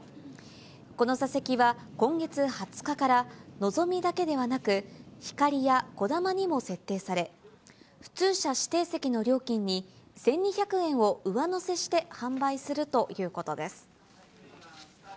この座席は、今月２０日からのぞみだけではなく、ひかりやこだまにも設定され、普通車指定席の料金に１２００円を上乗せして販売するということです。